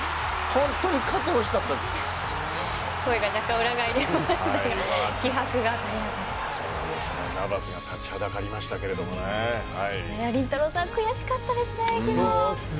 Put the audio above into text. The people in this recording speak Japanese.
本当に勝って欲しかったです。